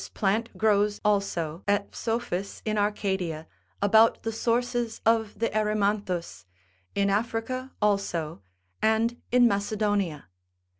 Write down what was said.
This plant grows also at Psophis in Arcadia, about the sources of the Erymanthus, in Africa also, and in Macedonia.